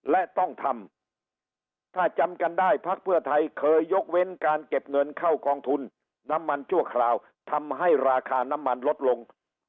และต้องทำถ้าจำกันได้พักเพื่อไทยเคยยกเว้นการเก็บเงินเข้ากองทุนน้ำมันชั่วคราวทำให้ราคาน้ำมันลดลง